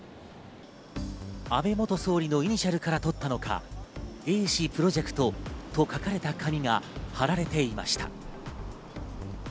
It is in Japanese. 安倍元総理のイニシャルから取ったのか、Ａ氏プロジェクトと書かれた紙が貼られていました。